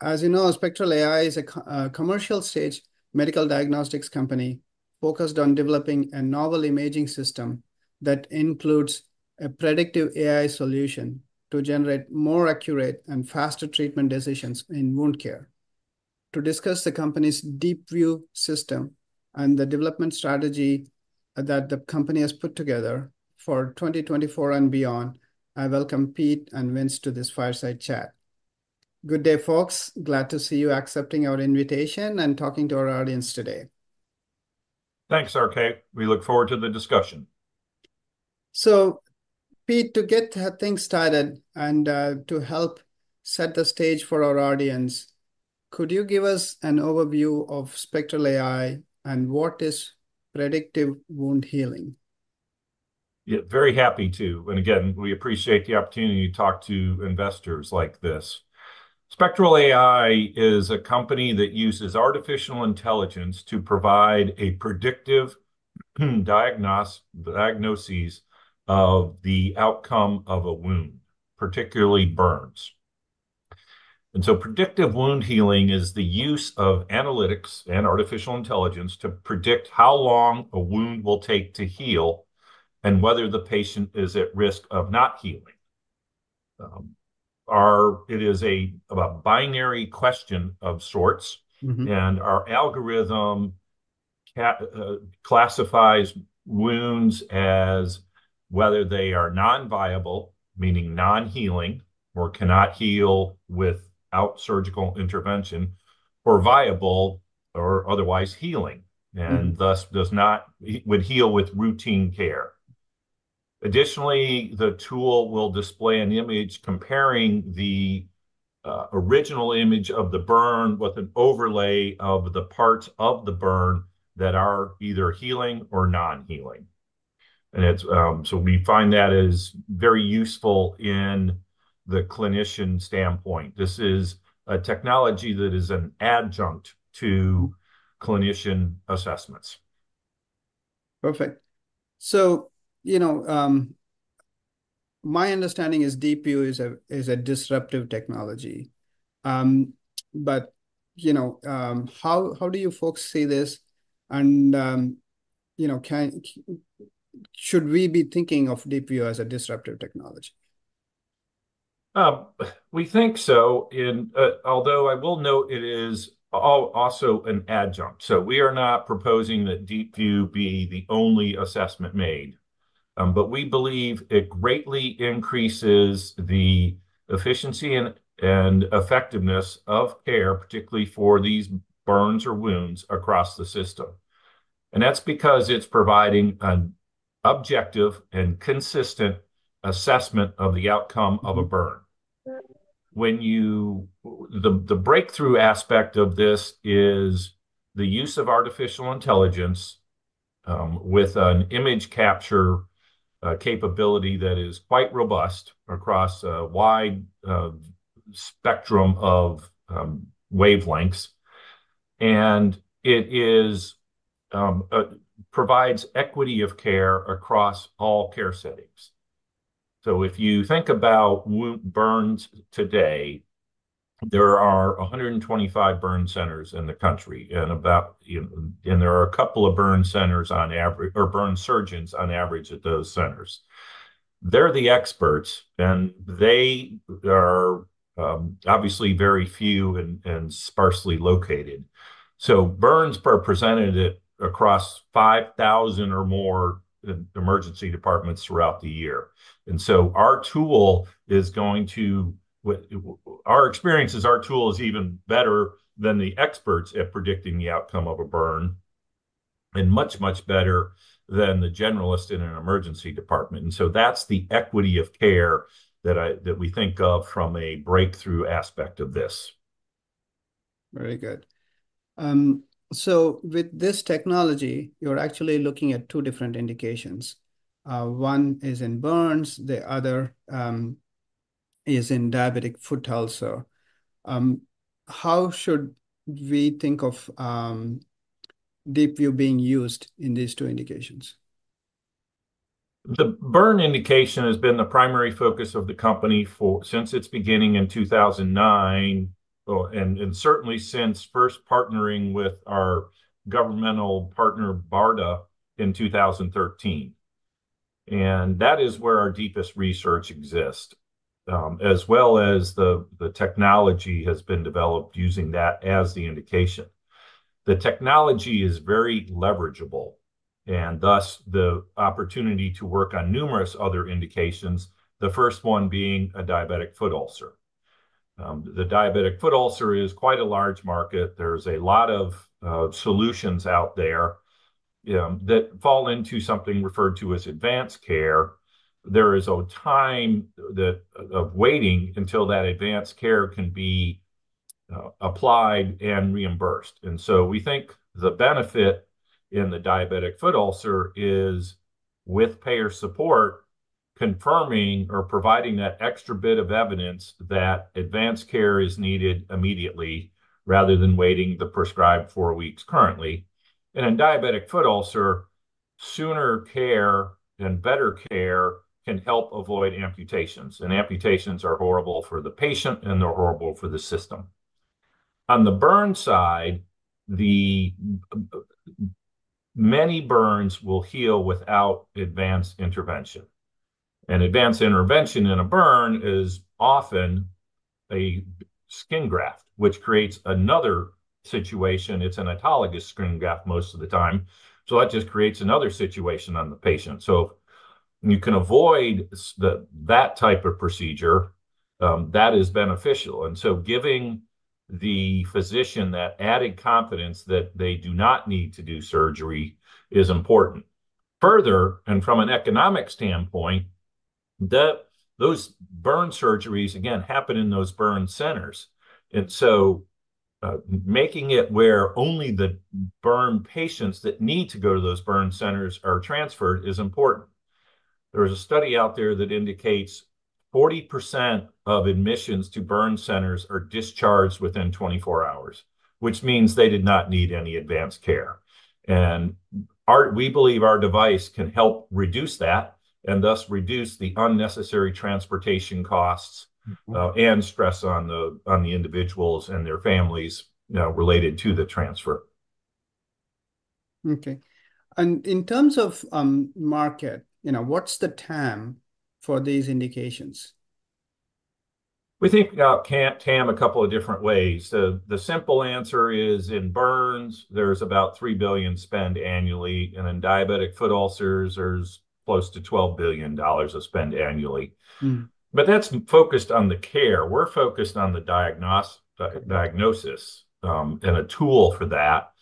As you know, Spectral AI is a commercial-stage medical diagnostics company focused on developing a novel imaging system that includes a predictive AI solution to generate more accurate and faster treatment decisions in wound care. To discuss the company's DeepView system and the development strategy that the company has put together for 2024 and beyond, I welcome Pete and Vince to this fireside chat. Good day, folks. Glad to see you accepting our invitation and talking to our audience today. Thanks, RK. We look forward to the discussion. So Pete, to get things started and, to help set the stage for our audience, could you give us an overview of Spectral AI, and what is predictive wound healing? Yeah, very happy to. And again, we appreciate the opportunity to talk to investors like this. Spectral AI is a company that uses artificial intelligence to provide a predictive diagnosis of the outcome of a wound, particularly burns. And so predictive wound healing is the use of analytics and artificial intelligence to predict how long a wound will take to heal, and whether the patient is at risk of not healing. It is a binary question of sorts. Mm-hmm. Our algorithm classifies wounds as whether they are non-viable, meaning non-healing, or cannot heal without surgical intervention, or viable, or otherwise healing. Mm-hmm... and thus does not. It would heal with routine care. Additionally, the tool will display an image comparing the original image of the burn with an overlay of the parts of the burn that are either healing or non-healing, and it's. So we find that is very useful in the clinician standpoint. This is a technology that is an adjunct to clinician assessments. Perfect. So, you know, my understanding is DeepView is a disruptive technology. But, you know, how do you folks see this? And, you know, should we be thinking of DeepView as a disruptive technology? We think so, and although I will note it is also an adjunct. So we are not proposing that DeepView be the only assessment made, but we believe it greatly increases the efficiency and effectiveness of care, particularly for these burns or wounds across the system, and that's because it's providing an objective and consistent assessment of the outcome of a burn. Mm-hmm. The breakthrough aspect of this is the use of artificial intelligence with an image capture capability that is quite robust across a wide spectrum of wavelengths, and it provides equity of care across all care settings. So if you think about wound burns today, there are 125 burn centers in the country, and about, you know. And there are a couple of burn surgeons on average at those centers. They're the experts, and they are obviously very few and sparsely located. So burns are presented across 5,000 or more emergency departments throughout the year. And so our experience is our tool is even better than the experts at predicting the outcome of a burn, and much, much better than the generalist in an emergency department. And so that's the equity of care that we think of from a breakthrough aspect of this. Very good, so with this technology, you're actually looking at two different indications. One is in burns, the other is in diabetic foot ulcer. How should we think of DeepView being used in these two indications? The burn indication has been the primary focus of the company since its beginning in 2009, and certainly since first partnering with our governmental partner, BARDA, in 2013, and that is where our deepest research exists. As well as the technology has been developed using that as the indication. The technology is very leverageable, and thus the opportunity to work on numerous other indications, the first one being a diabetic foot ulcer. The diabetic foot ulcer is quite a large market. There's a lot of solutions out there, you know, that fall into something referred to as advanced care. There is a time of waiting until that advanced care can be applied and reimbursed. We think the benefit in the diabetic foot ulcer is, with payer support, confirming or providing that extra bit of evidence that advanced care is needed immediately, rather than waiting the prescribed four weeks currently. In diabetic foot ulcer, sooner care and better care can help avoid amputations, and amputations are horrible for the patient, and they're horrible for the system. On the burn side, many burns will heal without advanced intervention. An advanced intervention in a burn is often a skin graft, which creates another situation. It's an autologous skin graft most of the time, so that just creates another situation on the patient. If you can avoid that type of procedure, that is beneficial. Giving the physician that added confidence that they do not need to do surgery is important. Further, and from an economic standpoint, those burn surgeries, again, happen in those burn centers, and so making it where only the burn patients that need to go to those burn centers are transferred is important. There is a study out there that indicates 40% of admissions to burn centers are discharged within 24 hours, which means they did not need any advanced care, and we believe our device can help reduce that, and thus reduce the unnecessary transportation costs. Mm-hmm... and stress on the individuals and their families, you know, related to the transfer. Okay. And in terms of market, you know, what's the TAM for these indications? We think about TAM, TAM a couple of different ways. The simple answer is, in burns, there's about $3 billion spent annually, and in diabetic foot ulcers, there's close to $12 billion of spend annually. Mm. That's focused on the care. We're focused on the diagnosis and a tool for that,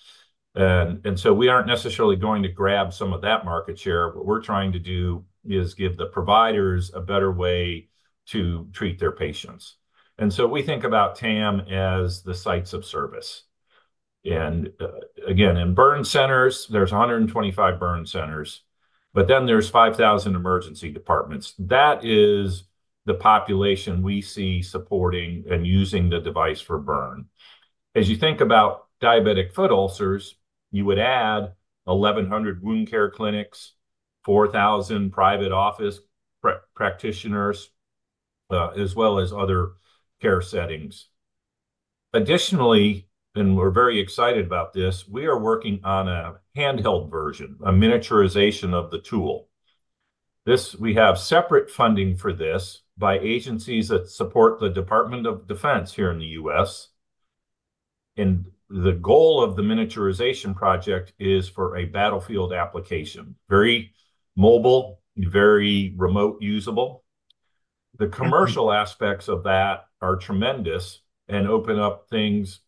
so we aren't necessarily going to grab some of that market share. What we're trying to do is give the providers a better way to treat their patients, and so we think about TAM as the sites of service. Again, in burn centers, there's 125 burn centers, but then there's 5,000 emergency departments. That is the population we see supporting and using the device for burn. As you think about diabetic foot ulcers, you would add 1,100 wound care clinics, 4,000 private office practitioners, as well as other care settings. Additionally, we're very excited about this. We are working on a handheld version, a miniaturization of the tool. This... We have separate funding for this by agencies that support the Department of Defense here in the U.S., and the goal of the miniaturization project is for a battlefield application. Very mobile, very remote usable. Mm. The commercial aspects of that are tremendous and open up things.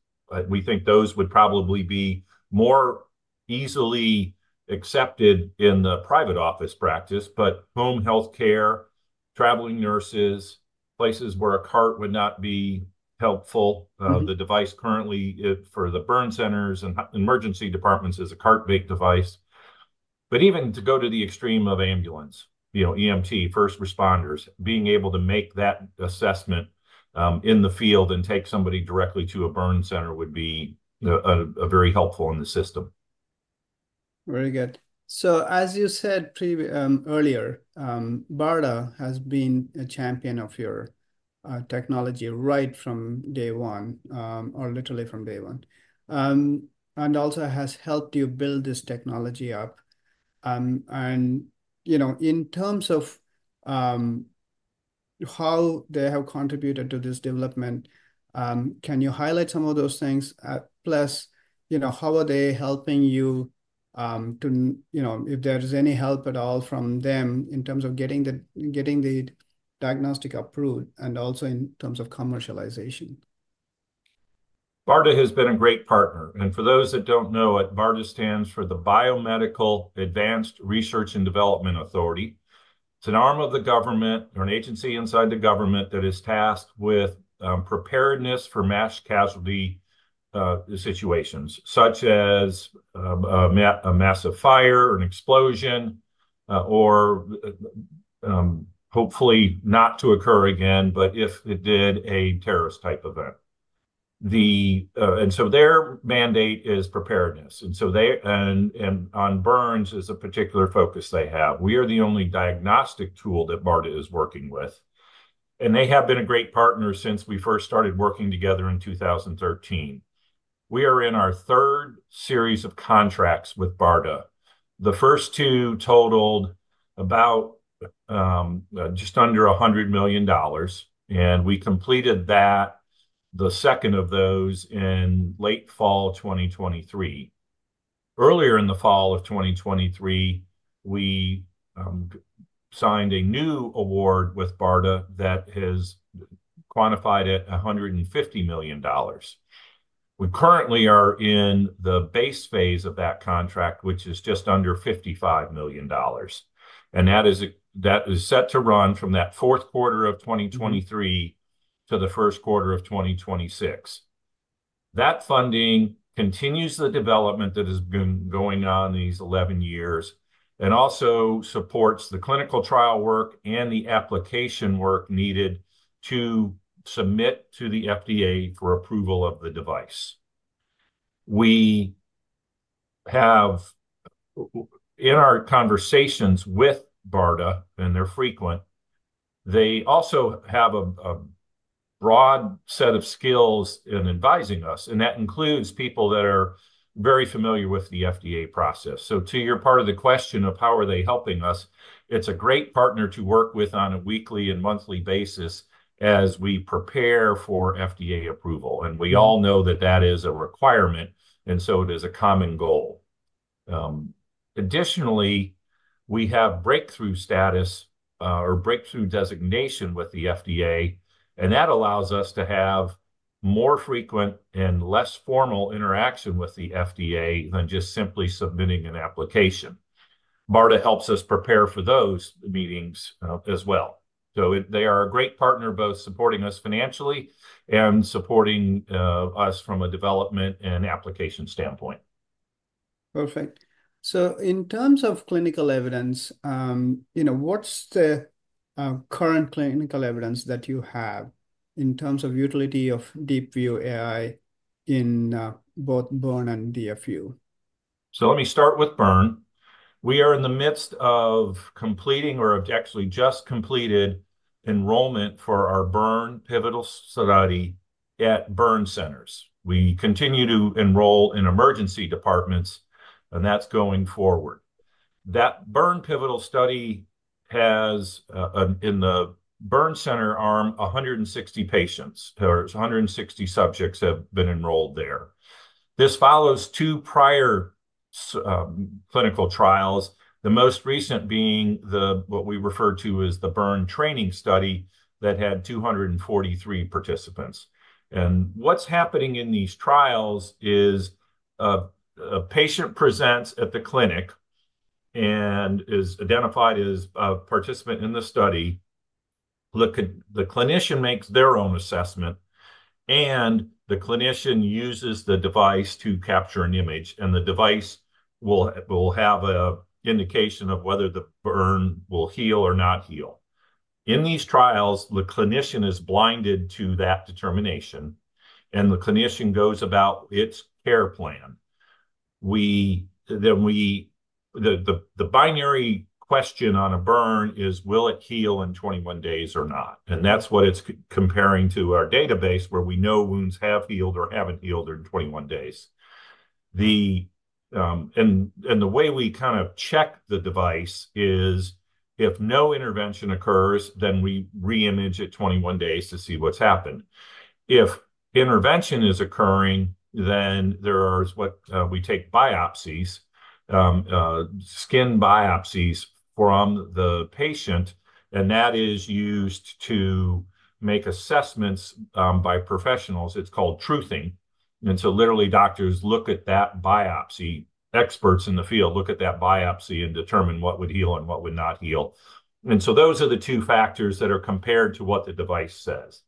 We think those would probably be more easily accepted in the private office practice, but home healthcare, traveling nurses, places where a cart would not be helpful. Mm-hmm... the device currently for the burn centers and emergency departments is a cart-based device. But even to go to the extreme of ambulance, you know, EMT, first responders, being able to make that assessment, in the field and take somebody directly to a burn center would be very helpful in the system. Very good. So as you said previously, earlier, BARDA has been a champion of your technology right from day one, or literally from day one, and also has helped you build this technology up. And, you know, in terms of how they have contributed to this development, can you highlight some of those things? Plus, you know, how are they helping you to... You know, if there is any help at all from them in terms of getting the diagnostic approved and also in terms of commercialization. BARDA has been a great partner, and for those that don't know what BARDA stands for, the Biomedical Advanced Research and Development Authority. It's an arm of the government, or an agency inside the government, that is tasked with preparedness for mass casualty situations, such as a massive fire, an explosion, or hopefully not to occur again, but if it did, a terrorist-type event, and so their mandate is preparedness, and so on burns is a particular focus they have. We are the only diagnostic tool that BARDA is working with, and they have been a great partner since we first started working together in 2013. We are in our third series of contracts with BARDA. The first two totaled about just under $100 million, and we completed that, the second of those, in late fall 2023. Earlier in the fall of 2023, we signed a new award with BARDA that is quantified at $150 million. We currently are in the base phase of that contract, which is just under $55 million, and that is set to run from that fourth quarter of 2023- Mm-hmm... to the first quarter of 2026. That funding continues the development that has been going on these 11 years, and also supports the clinical trial work and the application work needed to submit to the FDA for approval of the device. We have, in our conversations with BARDA, and they're frequent, they also have a broad set of skills in advising us, and that includes people that are very familiar with the FDA process. So to your part of the question of how are they helping us, it's a great partner to work with on a weekly and monthly basis as we prepare for FDA approval, and we all know that that is a requirement, and so it is a common goal. Additionally, we have breakthrough status or breakthrough designation with the FDA, and that allows us to have more frequent and less formal interaction with the FDA than just simply submitting an application. BARDA helps us prepare for those meetings as well. So they are a great partner, both supporting us financially and supporting us from a development and application standpoint. Perfect. So in terms of clinical evidence, you know, what's the current clinical evidence that you have in terms of utility of DeepView AI in both burn and DFU? So let me start with burn. We are in the midst of completing, or have actually just completed, enrollment for our burn pivotal study at burn centers. We continue to enroll in emergency departments, and that's going forward. That burn pivotal study has, in the burn center arm, 160 patients, or 160 subjects have been enrolled there. This follows two prior clinical trials, the most recent being the, what we refer to as the burn training study, that had 243 participants. And what's happening in these trials is a patient presents at the clinic and is identified as a participant in the study. The clinician makes their own assessment, and the clinician uses the device to capture an image, and the device will have an indication of whether the burn will heal or not heal. In these trials, the clinician is blinded to that determination, and the clinician goes about its care plan. The binary question on a burn is will it heal in 21 days or not? And that's what it's comparing to our database, where we know wounds have healed or haven't healed in 21 days, and the way we kind of check the device is, if no intervention occurs, then we re-image it 21 days to see what's happened. If intervention is occurring, then we take biopsies, skin biopsies from the patient, and that is used to make assessments by professionals. It's called truthing, so literally, doctors look at that biopsy, experts in the field look at that biopsy and determine what would heal and what would not heal. And so those are the two factors that are compared to what the device says.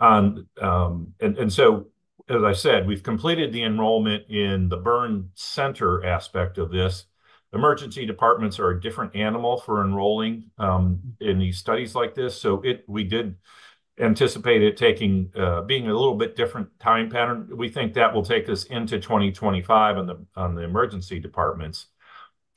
And so, as I said, we've completed the enrollment in the burn center aspect of this. Emergency departments are a different animal for enrolling in these studies like this, so it we did anticipate it taking being a little bit different time pattern. We think that will take us into 2025 on the emergency departments.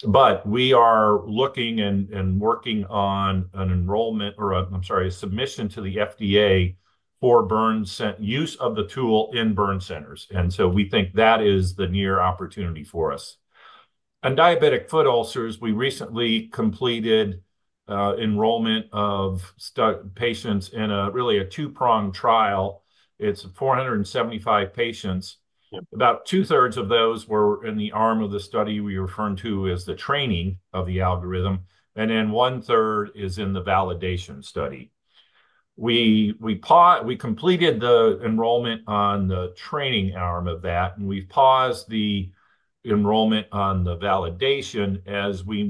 But we are looking and working on an enrollment, or a, I'm sorry, a submission to the FDA for burn center use of the tool in burn centers, and so we think that is the near opportunity for us. On diabetic foot ulcers, we recently completed enrollment of patients in really a two-prong trial. It's 475 patients. Yep. About two-thirds of those were in the arm of the study we refer to as the training of the algorithm, and then one-third is in the validation study. We completed the enrollment on the training arm of that, and we've paused the enrollment on the validation as we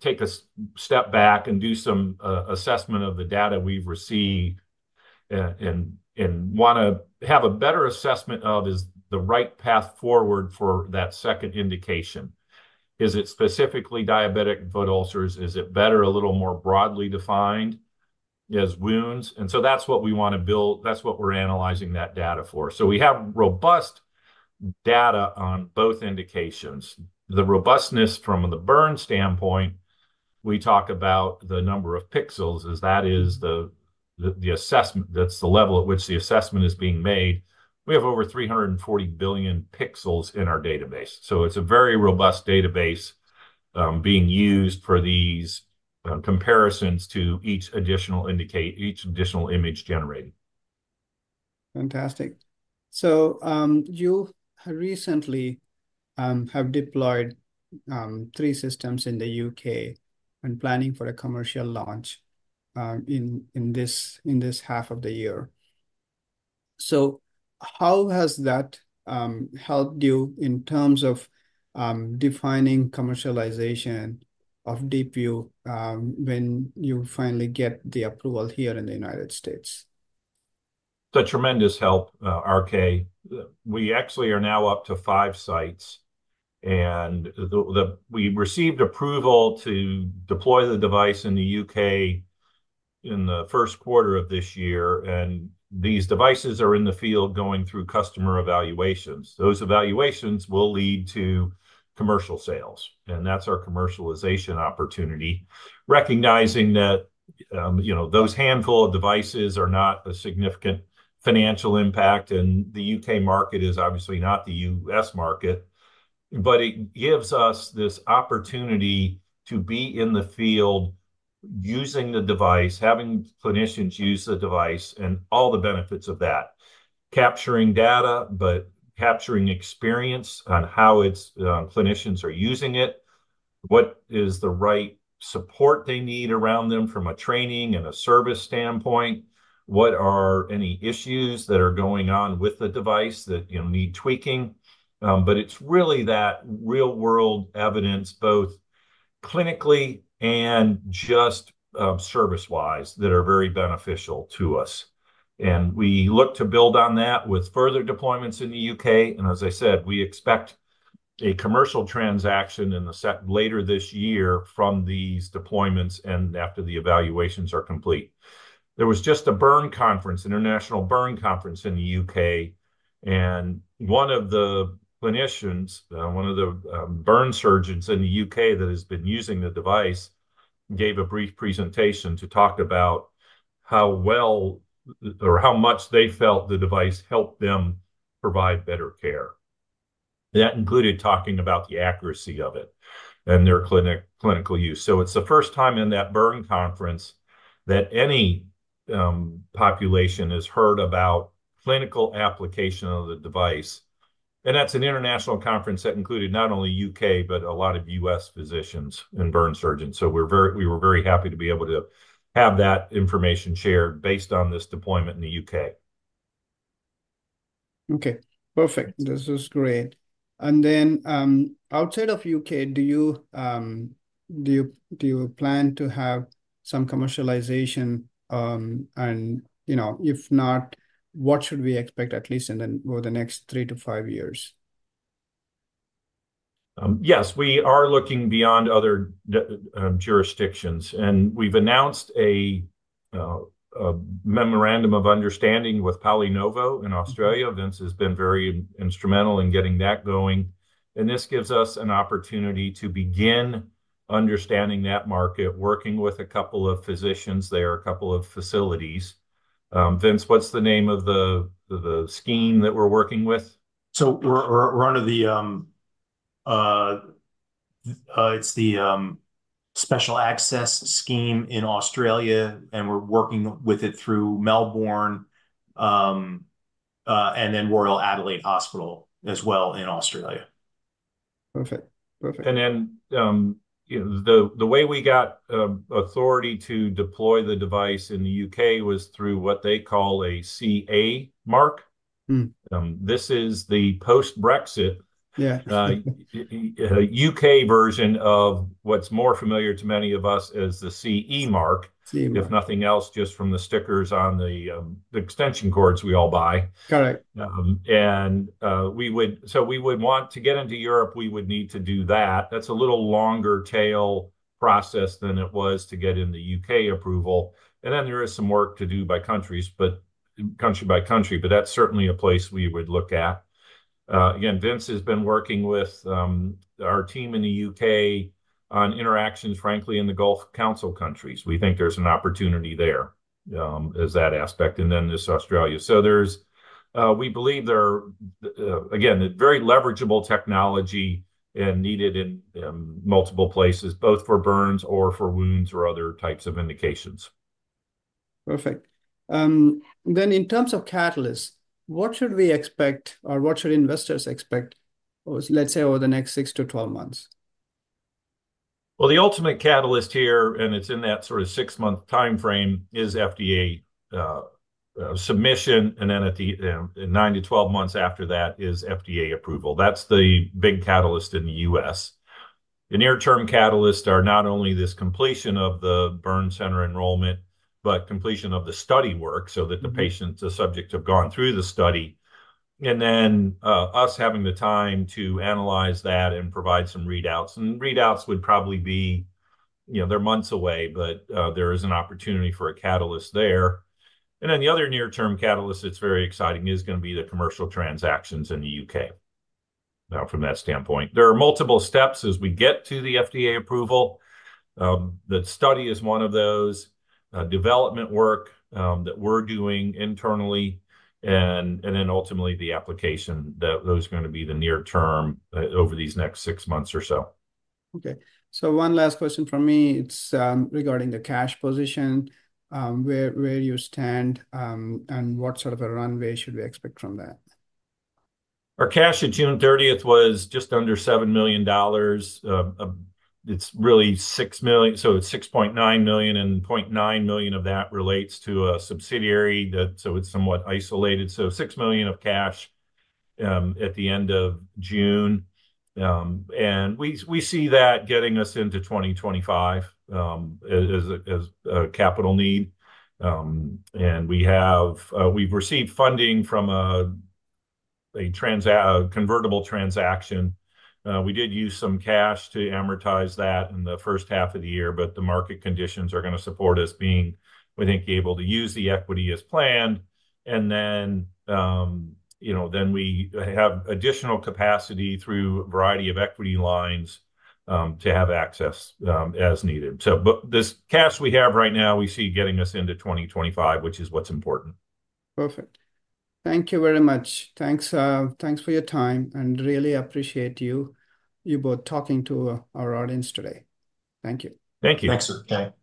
take a step back and do some assessment of the data we've received, and wanna have a better assessment of is the right path forward for that second indication. Is it specifically diabetic foot ulcers? Is it better a little more broadly defined as wounds? And so that's what we wanna build, that's what we're analyzing that data for. So we have robust data on both indications. The robustness from the burn standpoint, we talk about the number of pixels, as that is the assessment, that's the level at which the assessment is being made. We have over 340 billion pixels in our database, so it's a very robust database, being used for these comparisons to each additional image generated. Fantastic. So, you recently have deployed three systems in the U.K. and planning for a commercial launch in this half of the year. So how has that helped you in terms of defining commercialization of DeepView when you finally get the approval here in the United States?... It's a tremendous help, RK. We actually are now up to five sites, and we received approval to deploy the device in the U.K. in the first quarter of this year, and these devices are in the field going through customer evaluations. Those evaluations will lead to commercial sales, and that's our commercialization opportunity. Recognizing that, you know, those handful of devices are not a significant financial impact, and the U.K. market is obviously not the U.S. market, but it gives us this opportunity to be in the field using the device, having clinicians use the device, and all the benefits of that. Capturing data, but capturing experience on how clinicians are using it. What is the right support they need around them from a training and a service standpoint? What are any issues that are going on with the device that, you know, need tweaking, but it's really that real-world evidence, both clinically and just, service-wise, that are very beneficial to us, and we look to build on that with further deployments in the U.K., and as I said, we expect a commercial transaction later this year from these deployments, and after the evaluations are complete. There was just a burn conference, international burn conference in the U.K., and one of the clinicians, one of the burn surgeons in the U.K. that has been using the device, gave a brief presentation to talk about how well, or how much they felt the device helped them provide better care. That included talking about the accuracy of it and their clinical use. So it's the first time in that burn conference that any population has heard about clinical application of the device, and that's an international conference that included not only U.K., but a lot of U.S. physicians and burn surgeons. So we were very happy to be able to have that information shared based on this deployment in the U.K. Okay, perfect. This is great. And then, outside of U.K., do you plan to have some commercialization, and, you know, if not, what should we expect, at least over the next three to five years? Yes, we are looking beyond other jurisdictions, and we've announced a memorandum of understanding with PolyNovo in Australia. Vince has been very instrumental in getting that going, and this gives us an opportunity to begin understanding that market, working with a couple of physicians there, a couple of facilities. Vince, what's the name of the scheme that we're working with? So we're under the Special Access Scheme in Australia, and we're working with it through Melbourne, and then Royal Adelaide Hospital as well in Australia. Perfect. Perfect. And then, you know, the way we got authority to deploy the device in the UK was through what they call a CA mark. Mm. This is the post-Brexit- Yeah.... UK version of what's more familiar to many of us as the CE mark. CE mark. If nothing else, just from the stickers on the extension cords we all buy. Correct. And so we would want to get into Europe, we would need to do that. That's a little longer tail process than it was to get in the U.K. approval, and then there is some work to do by countries, but country by country, but that's certainly a place we would look at. Again, Vince has been working with our team in the U.K. on interactions, frankly, in the Gulf Council countries. We think there's an opportunity there, as that aspect, and then this Australia. So we believe there are again a very leverageable technology and needed in multiple places, both for burns or for wounds, or other types of indications. Perfect. Then in terms of catalysts, what should we expect or what should investors expect, or let's say, over the next six to 12 months? The ultimate catalyst here, and it's in that sort of six-month timeframe, is FDA submission, and then at the nine to 12 months after that is FDA approval. That's the big catalyst in the U.S. The near-term catalysts are not only this completion of the burn center enrollment, but completion of the study work- Mm... so that the patients, the subjects, have gone through the study. And then, us having the time to analyze that and provide some readouts. And readouts would probably be, you know, they're months away, but, there is an opportunity for a catalyst there. And then, the other near-term catalyst that's very exciting is gonna be the commercial transactions in the U.K., from that standpoint. There are multiple steps as we get to the FDA approval. The study is one of those, development work, that we're doing internally, and, and then ultimately, the application, those are gonna be the near term, over these next six months or so. Okay. So one last question from me, it's regarding the cash position, where you stand, and what sort of a runway should we expect from that? Our cash at June 30th was just under $7 million. It's really six million, so it's $6.9 million, and $0.9 million of that relates to a subsidiary. So it's somewhat isolated. So $6 million of cash at the end of June. And we see that getting us into 2025 as a capital need. And we've received funding from a convertible transaction. We did use some cash to amortize that in the first half of the year, but the market conditions are gonna support us being, we think, able to use the equity as planned. Then, you know, we have additional capacity through a variety of equity lines to have access as needed. So, but this cash we have right now, we see getting us into 2025, which is what's important. Perfect. Thank you very much. Thanks, thanks for your time, and really appreciate you both talking to our audience today. Thank you. Thank you. Thanks, RK.